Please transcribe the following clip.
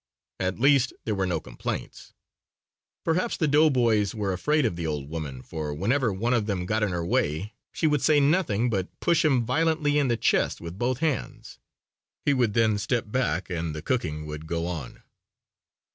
At least there were no complaints. Perhaps the doughboys were afraid of the old woman for whenever one of them got in her way she would say nothing but push him violently in the chest with both hands. He would then step back and the cooking would go on.